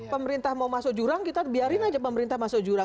pemerintah mau masuk jurang kita biarin aja pemerintah masuk jurang